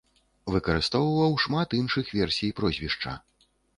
Выкарыстоўваў шмат іншых версій прозвішча.